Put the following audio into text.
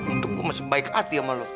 untuk gua masih baik hati sama lo